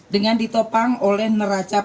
dengan ditopang oleh neraca